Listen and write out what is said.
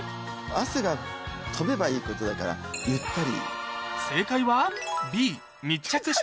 汗が飛べばいいってことだからゆったり。